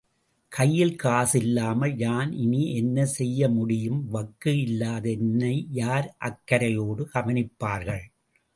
கையில் காசு இல்லாமல் யான் இனி என்ன செய்ய முடியும் வக்கு இல்லாத என்னை யார் அக்கரையோடு கவனிப்பார்கள்.